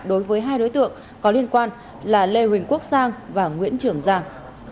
đối với hai đối tượng có liên quan là lê huỳnh quốc giang và nguyễn trưởng giang